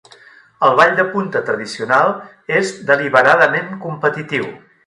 El ball de punta tradicional és deliberadament competitiu.